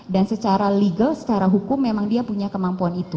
dan secara legal secara hukum memang dia punya kemampuan itu